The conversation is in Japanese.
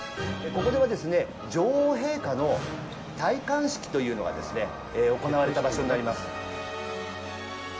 ここではですね、女王陛下の戴冠式というのが行われた場所になります。